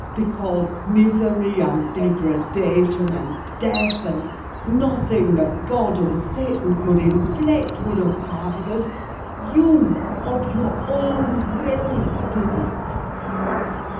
Because misery and degradation, and death, and nothing that God or Satan could inflict would have parted us, you, of your own will, did it.